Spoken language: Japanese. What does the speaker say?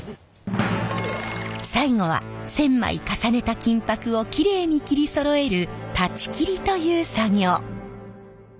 最後は１，０００枚重ねた金箔をきれいに切りそろえる裁ち切りという作業。